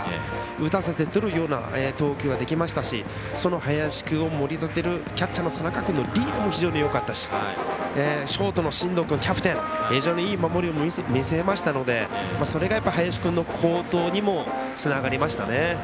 打たせてとるような投球ができましたし林君を盛り立てるキャッチャーの佐仲君のリードもよかったしショートの進藤君キャプテン、非常にいい守りを見せましたのでそれが、やっぱり林君の好投にもつながりましたね。